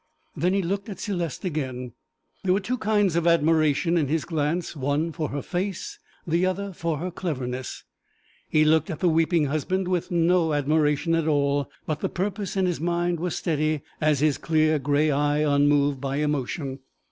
Then he looked at Céleste again. There were two kinds of admiration in his glance one for her face, the other for her cleverness. He looked at the weeping husband with no admiration at all, but the purpose in his mind was steady as his clear grey eye, unmoved by emotion.